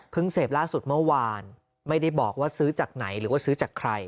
เสพล่าสุดเมื่อวานไม่ได้บอกว่าซื้อจากไหนหรือว่าซื้อจากใคร